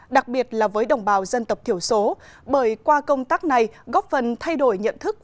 đặc biệt là với đồng bào dân tộc thiểu số bởi qua công tác này góp phần thay đổi nhận thức